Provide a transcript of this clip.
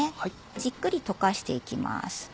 じっくり溶かしていきます。